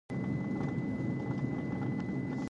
تعلیم د زوی د خوشحالۍ لامل ګرځي.